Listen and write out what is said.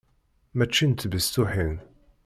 Mačči n tbestuḥin!